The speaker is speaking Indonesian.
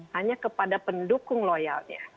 hanya kepada pendukung loyalnya